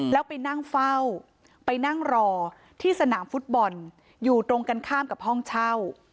แล้วไปนั่งเฝ้าไปนั่งรอที่สนามฟุตบอลอยู่ตรงกันข้ามกับห้องเช่า